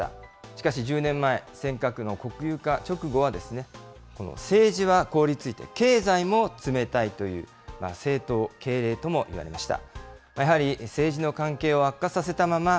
しかし１０年前、尖閣の国有化直後は、政治は凍りついて経済も冷たいという、政冷経冷ともいわれました。